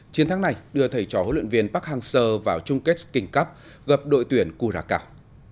chiến thắng này đưa thầy trò hữu luyện viên park hang seo vào chung kết kings cup gặp đội tuyển cura cao